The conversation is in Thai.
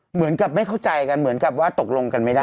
เหมือนกับไม่เข้าใจกันเหมือนกับว่าตกลงกันไม่ได้